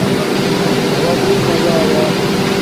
اݸݳ بُݸت مزہ آیݳ.